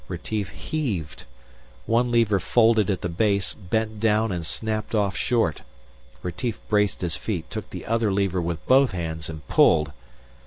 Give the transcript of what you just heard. Retief heaved. One lever folded at the base, bent down and snapped off short. Retief braced his feet, took the other lever with both hands and pulled.